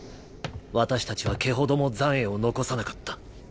私たちは毛ほども残穢を残さなかった。